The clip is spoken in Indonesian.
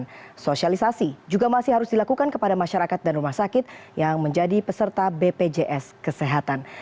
dan sosialisasi juga masih harus dilakukan kepada masyarakat dan rumah sakit yang menjadi peserta bpjs kesehatan